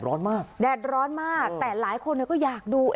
ร้อนมากแดดร้อนมากแต่หลายคนก็อยากดู